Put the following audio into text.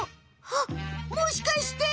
あっもしかして！